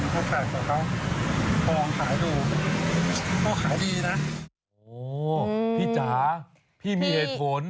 เขาลองขายดูเขาขายดีนะโอ้พี่จ๋าพี่มีเหตุผล